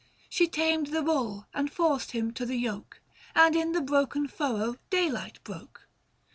She tamed the bull, and forced him to the yoke, And in the broken furrow daylight broke.